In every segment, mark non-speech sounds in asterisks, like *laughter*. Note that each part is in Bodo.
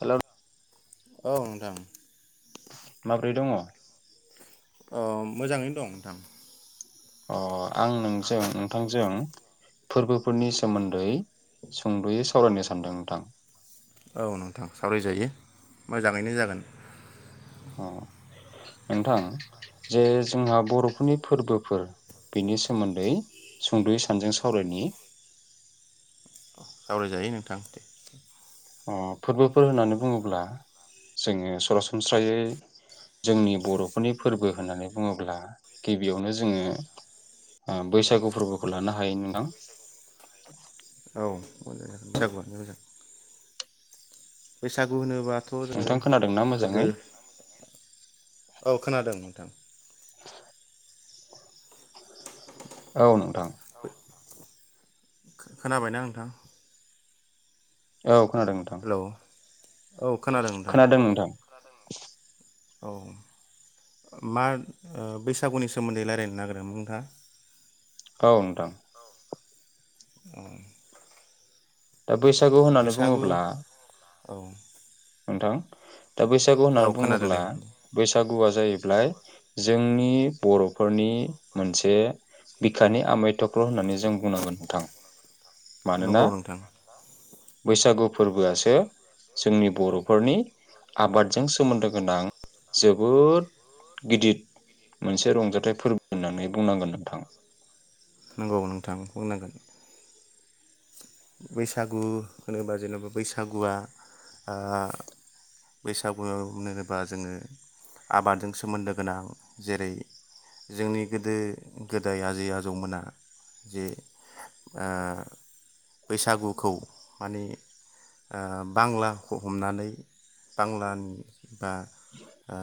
हेलौ औ नोंथां माब्रै दङ? अ मोजाङैनो दं नोंथां अ आं नोंजों नोंथांजों फोरबोफोरनि सोमोन्दै सुंद'यै सावरायनो सानदों नोंथां औ नोंथां सावरायजायो मोजाङैनो जागोन अ नोंथां जे जोंहा बर'फोरनि फोरबोफोर बेनि सोमोन्दै सुंद'यै सानजों सावरायनायनि सावरायजायो नोंथां दे। अ फोरबोफोर होननानै बुङोब्ला जोङो सरासनस्रायै जोंनि बर'फोरनि फोरबो होननानै बुङोब्ला गिबियावनो जोङो ओ बैसागु फोरबोखौ लानो हायो नोंथां। औ मोजां बैसागुआनो मोजां बैसागु होनोब बाथ' जोङो नोंथां खोनादोंना गोदो मोजाङै औ खोनादों नोंथां। *inaudible* औ नोंथां। खोनाबायना नोंथां? औ खोनादों नोंथां हेलौ औ नोंथां खोनादों नोंथां। औ मा ओ बैसागुनि सोमोन्दै रायज्लायनो नागिरदों नोंथाङा? औ नोंथां अ दा बैसागु होननानै बुङोब्ला औ नोंथां दा बैसागु औ होननानै खोनादों बुङोब्ला दे बैसागुआ जाहैब्लाय जोंनि बर'फोरनि मोनसे बिखानि आमाय थख्ल' होननानै जों बुंनांगोन नोंथां मानोना नंगौ नोंथां बैसागु फोरबोआसो जोंनि बर'फोरनि आबादजों सोमोन्दो गोनां जोबोद गिदिर मोनसे रंजाथाइ फोरबो होननानै बुंनांगोन नोंथां। नंगौ नोंथां बुंनांगोन। बैसागु होनोबा जेनेबा बैसागुआ ओ बैसागुआव होनोबा जोङो आबादजों सोमोन्दो गोनां जेरै जोंनि गोदो गोदाय आजै आजौमोना जे ओ बैसागुखौ माने ओ बांलाखौ हमनानै बांलानि बा ओ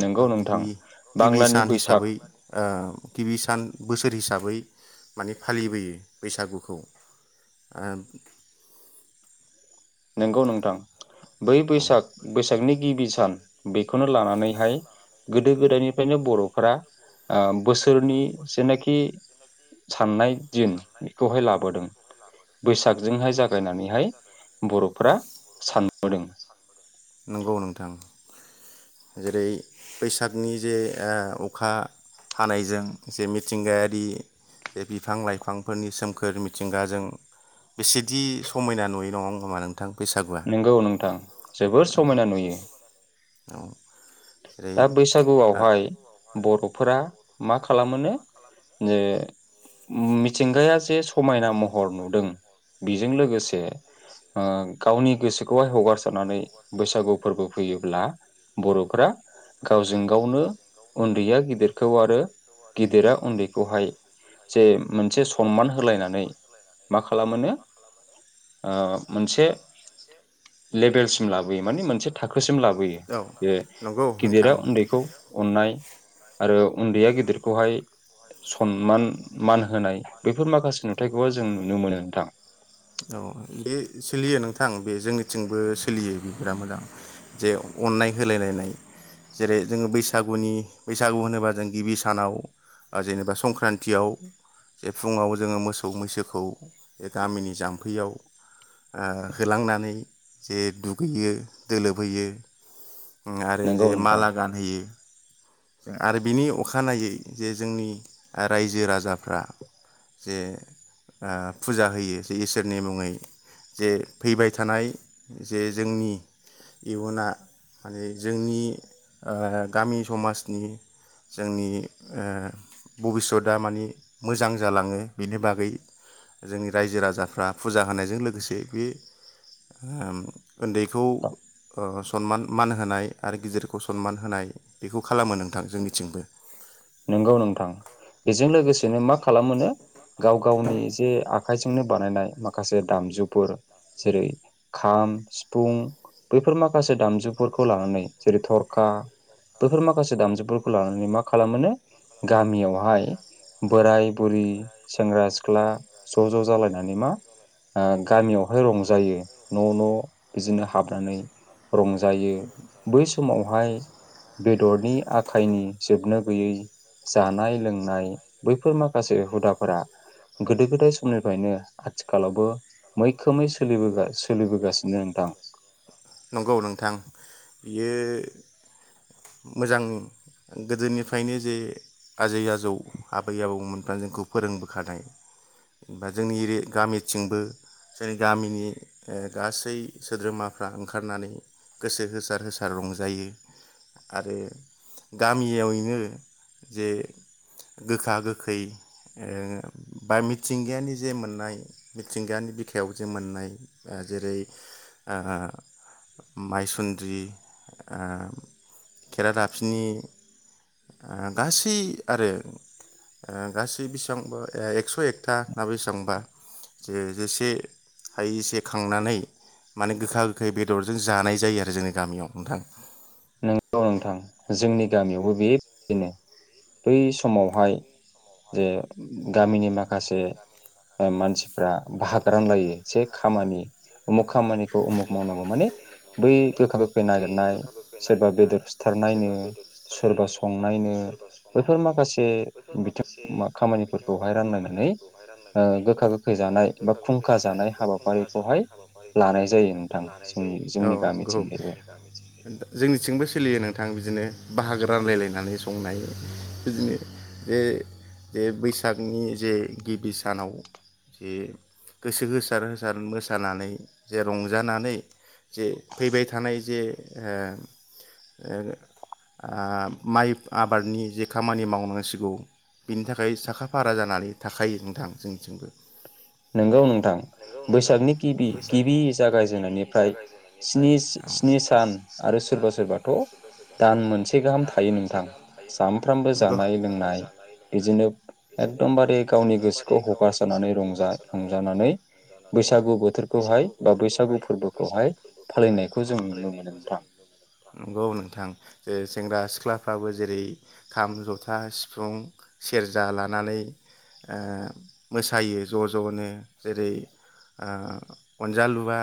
नोंगौ *inaudible* नोंथां गिबि गिबि बांलानि सान बैसाग हिसाबै ओ गिबि सान बोसोर हिसाबै माने फालिबोयो बैसागुखौ ओ नंगौ नोंथां बै ओ बैसाग बैसागनि गिबि सान बेखौनो लानानैहाय गोदो गोदायनिफ्रायनो बर'फोरा ओ बोसोरनि जेनाखि साननाय दिन बेखौहाय लाबोदों बैसाग जोंहाय जागायनानैहाय बर'फोरा सानबोदों। नंगौ नोंथां जेरै बैसागनि जे ओ अखा हानायजों जे मिथिंगायारि जे बिफां लाइफांफोरनि सोमखोर मिथिंगाजों बेसेदि समायना नुयो नङा *unintelligible* नंगौ नोंथां जोबोर समायना नुयो। औ जेरै दा बैसागुआवहाय बर' फोरा मा खालामो नो जे मिथिंगाया जे समायना महर नुदों बेजों लोगोसे ओ गावनि गोसोखौहाय हगारसारनानै बैसागु फोरबो फैयोब्ला बर'फोरा गावजों गावनो उन्दैया गिदिरखौ आरो गिदिरा उन्दैखौहाय जे मोनसे सनमान होलायनानै मा खालामो नो ओ मोनसे लेबेलसिम लाबोयो माने मोनसे थाखोसिम औ लाबोयो। नंगौ नोंथां। खौ अननाय आरो उन्दैया गिदिरखौहाय सनमान मान होनाय बेफोर माखासे नुथायाइखौबो जों नुनो मोनो नोंथां। औ बे सोलियो नोंथां बे जोंनिथिंबो सोलियो बि बिराद मोजां जे अननाय होलायलायनाय जेरै जोङो बैसागुनि बैसागु होनोबा जों गिबि सानाव जेनेबा संक्रान्तियाव जे फुङाव जोङो मोसौ मैसोखौ बे गामिनि जाम्फैयाव ओ होलांनानै जे दुगैयो दोलोबहोयो। आरो जे नंगौ माला नोंथां गानहोयो आरो बिनि अखानायै जे जोंनि रायजो राजाफ्रा जे फुजा ओ होयो जे इसोरनि मुङै जे फैबाय थानाय जे जोंनि इयुना माने जोंनि ओ गामि समाज जोंनि ओ भबिसतआ माने मोजां जालाङो बेनि बागै जोंनि रायजो राजाफ्रा फुजा होनायजों लोगोसे बे उन्दैखौ ओ सनमान मान होनाय आरो गिदिरखौ सनमान होनाय बेखौ खालामो नोंथां जोंनिथिंबो। नंगौ नोंथां बेजों लोगोसेनो मा खालामोनो। गाव गावनि जे आखाइजोंनो बानायनाय माखासे दामजुफोर जेरै खाम सिफुं बैफोर माखासे दामजुफोरखौ लानानै जेरै थरखा बैफोर माखासे दामजुफोरखौ लानानै मा खालामोनो गामियावहाय बोराय बुरि सेंग्रा सिख्ला ज' ज' जालायनानै मा ओ गामियावहाय रंजायो न' न' बिदिनो हाबनानै रंजायो बै समावहाय बेदरनि आखायनि जोबनो गैयै जानाय लोंनाय बैफोर माखासे हुदाफोरा गोदो गोदाय समनिफ्रायनो आथिखालावबो मैखोमै सोलिबो- सोलिबोगासिनो नोंथां। नंगौ नोंथां बियो मोजां गोदोनिफ्रायनो जे आजै आजौ आबै आबौमोनफ्रा जोंखौ फोरोंबोखानाय जोंनि गामिथिंबो जोंनि गामिनि ओ गासै सोद्रोमाफ्रा ओंखारनानै गोसो होसार होसार रंजायो आरो गामियावैनो जे गोखा गोखै ओ बा मिथिंगायानि जे मोननाय मिथिंगानि बिखायाव जे मोननाय जेरै ओ माइसुन्द्रि ओ खेरादाफिनि गासै आरो गासै बेसेबांबा एक्स' एकथा ना बेसेबांबा जे जेसे हायैसे खांनानै माने गोखा गोखा गोखै बेदरजों जानाय जायो आरो जोंनि गामियाव नोंथां। नंगौ नोंथां जोंनि गामियावबो बेबायदिनो बै समावहाय जे गामिनि माखासे ओ मानसिफ्रा भागरान लायो जे खामानि उमुख खामानिखौ उमुख मावनांगौ माने बै गोखा गोखै नागिरनाय सोरबा नागिरनाय बेदर सिथारनायनो सोरबा बेदर सोरबा सिथारनायनो संनायनो सोरबा बैफोर संनायनो माखासे बेफोर माखासे बिथिं बिथिं खामानिफोरखौहाय रानलायनानै खामानिफोरखौहाय ओ रानलायनानै गोखा गोखै जानाय बा गोखा गोखै खुंखा जानाय बा फुंखा जानाय हाबाफारिखौहाय लानाय हाबाफारिखौहाय जायो नोंथां लानाय जोंनि जोंनि गामिथिंजायबो जायो। जोंनिथिंबो सोलियो नोंथां बिदिनो बाहागो रानलायलायनानै संनाय बिदिनो जे ज बैसागनि जे गिबि सानाव जे गोसो होसार होसार मोसानानै जे रंजानानै जे फैबाय थानाय जे आ ओ आ माइ आबादनि जे खामानि मावनांसिगौ बिनि थाखाय साखा फारा जानानै थाखायो नोंथां जोंनिथिंबो नंगौ नोंथां बैसागनि गिबि गिबि जागायजेननायनिफ्राय स्नि सान आरो नि सान सोरबा सोरबाथ' आरो सुब सखौ दान मोनसे गाहाम दान थायो मोनसे नोंथां गाहाम थायो सानफ्रामबो नोंथां जानाय सानफ्रामबो लोंनाय जानाय लोंनाय बिदिनो बिदिनो एकदमबारे गावनि एकदमबारे गोसोखौ गावनि हगारसारनानै गोसोखौ रंजा हगारसारनानै रंजानानै बैसागु बोथोरखौहाय बा बैसागु फोरबोखौहाय फालिनायखौ जों नुनो मोनदों नोंथां नंगौ नोंथां जे सेंग्रा सिख्लाफ्राबो जेरै खाम जथा सिफुं सेरजा लानानै मोसायो ज' ज'नो जेरै आ अनजालुुबा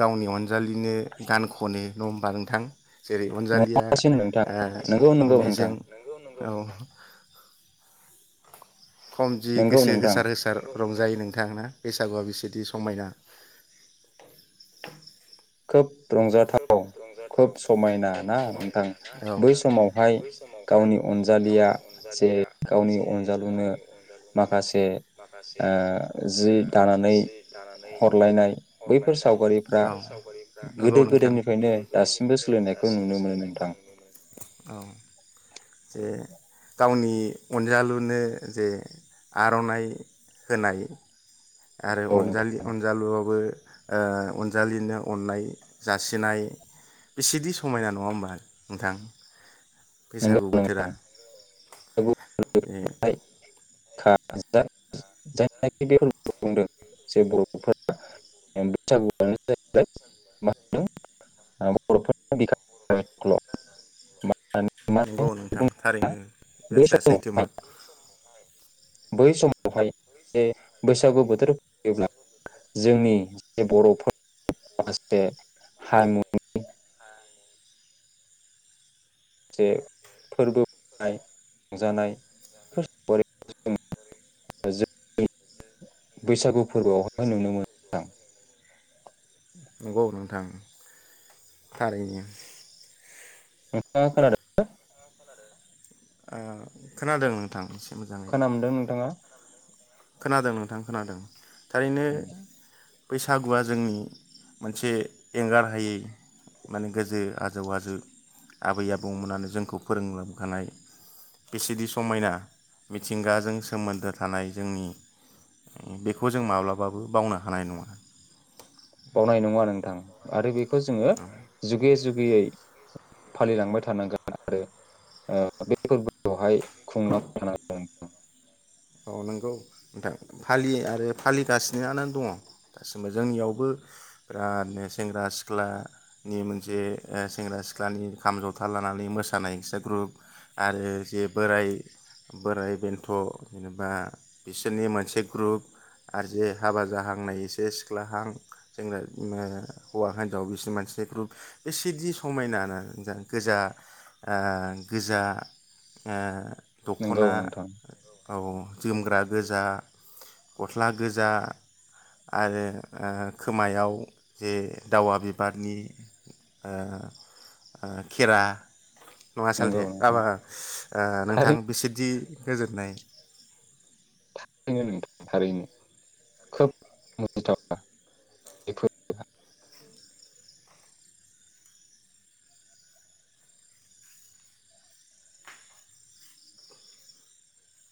गावनि अन जालिनो गान खनो। नङा होनबा नोंथां? जेरै अनजालिया नङासै नोंथां ओ नंगौ नंगौ नोंथां मोननायजों औ खम जि नंगौ गोसो नोंथां होसार होसार रंजायो नोंथां ना बैसागुआ बिसेदि समायना। खोब रंजाथाव खोब समायना ना। दाना होन बै समावहाय बै समावहाय गावनि अनजालिया गावनि जे अनजालिया गावनि जे अनजालुनो गावनि अनजालुनो माखासे माखासे ओ जि दानानै जि दानानै हरलायनाय बैफोर हरलायनाय औ सावगारिफ्रा बैफोर सावगारि गोदो गोदायनिफ्रायनो दासिमबो सोलिनायखौ नुनो मोनो नोंथां औ जे गावनि अनजालुनो जे आर'नाइ होनाय आरो औ नोंथां अनजालि अनजालुआवबो ओ अनजालिनो अननाय जासिनाय बेसेदि समायना नङा होमबा? नोंथां नंगौ बैसागु बोथेरा ओमफ्राय खाजा जायनाखि बे बुंदों जे बर'फोरा बैसागुआनो जाहैबाय मा बर' फोरनि बिखानि आमाइ थुखल' नंगौ नोंथां थारैनो बे बाथ्राया समावहाय सैथोमार। बै समावहाय जे बैसागु बोथोर फैयोब्ला जोंनि जे बर'फ *unintelligible* फोरबोनाय *unintelligible* रंजानायफोर *unintelligible* जों *unintelligible* बैसागु फोरबोआवहाय नुनो फैसाखौ मोनो द मोना *unintelligible* नंगौ नोंथां थारैनो। नोंथाङा खोनादों? खोनादों नोंथां? एसे मोजाङै खोन मोनदों नोंथाङा? खोनादों नोंथां खोनादों। थारैनो बैसागुआ जोंनि मोनसे एंगार हायै माने गोजो आजौ आजौ आबै आबौमोननानो जोंखौ फोरोंलांखानाय बिसिदि समायना मिथिंगाजों सोमोन्दो थानाय जोंनि बेखौ जों माब्लाबाबो बावनो हानाय नङा बावनाय नङा नोंथां आरो बे खौ जोङो जुगे जु गैयै फालिलांबाय थानांगोन आरो बे फोरबो खौहाय खुंलांबायथानांगौ अ नोंगौ नोंथां फालियो आरो फालिगासिनो आनो दङ दासिमबो जोंनियावबो बिरादनो सेंग्रा सिख्लानि मोनसे सेंग्रा सिख्लानि खाम जथा लानानै मोसानाय एस्रा ग्रुप आरो जे बोराय बोराइ बेन्थ' जेनेबा बिसोरनि मोनसे ग्रुप आर जे हाबा जाहांनाय एसे सिख्लाहां जोंना हौवा हिनजाव बिसोरनि मोनसेनि ग्रुप बेसेदि समायना ना गोजा ओ गोजा ओ नंगौ दख'ना नोंथां औ जोमग्रा गोजा गस्ला गोजा आरो ओ खोमायाव जे दावा बिबारनि ओ ओ खेरा नङा नोंगौ सालथे नोंथां आबाहा ओ नोंथां थारैनो बेसेदि गोजोननाय *inaudible* थारैनो नोंथां थारैनो खोब मुजिथाव ना